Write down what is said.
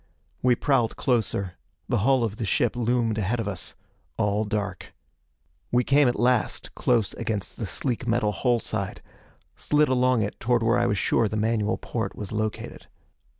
We prowled closer. The hull of the ship loomed ahead of us. All dark. We came at last close against the sleek metal hull side, slid along it toward where I was sure the manual porte was located.